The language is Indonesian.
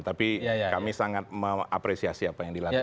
tapi kami sangat mengapresiasi apa yang dilakukan